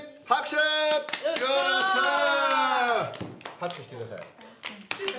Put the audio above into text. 拍手して下さい。